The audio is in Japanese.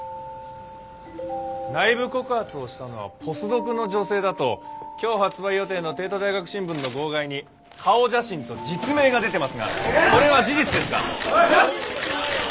内部告発をしたのはポスドクの女性だと今日発売予定の帝都大学新聞の号外に顔写真と実名が出てますがこれは事実ですか？